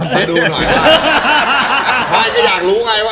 ข้ารายจะอยากรู้ไงว่า